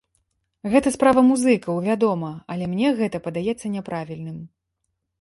Гэта справа музыкаў, вядома, але мне гэта падаецца няправільным.